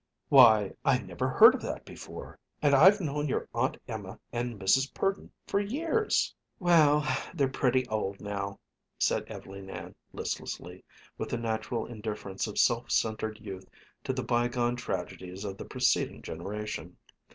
"Why, I never heard of that before, and I've known your Aunt Emma and Mrs. Purdon for years!" "Well, they're pretty old now," said Ev'leen Ann listlessly, with the natural indifference of self centered youth to the bygone tragedies of the preceding generation.